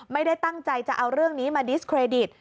ไม่ได้ตั้งใจจะเอาเรื่องนี้มาดิสเครดิต